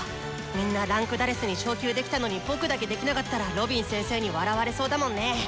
みんな位階「４」に昇級できたのに僕だけできなかったらロビン先生に笑われそうだもんね。